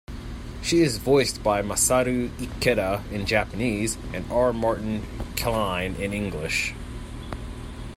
She is voiced by Masaru Ikeda in Japanese and R. Martin Klein in English.